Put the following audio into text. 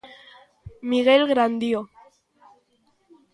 Miguel Grandío.